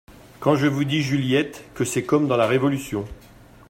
Quand je vous dis, Juliette, que c’est comme dans la révolution.